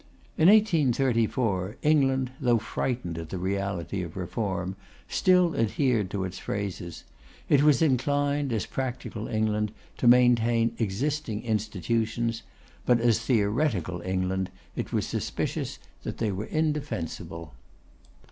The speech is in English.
In 1834, England, though frightened at the reality of Reform, still adhered to its phrases; it was inclined, as practical England, to maintain existing institutions; but, as theoretical England, it was suspicious that they were indefensible.